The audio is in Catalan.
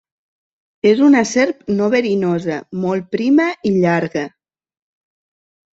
És una serp no verinosa, molt prima i llarga.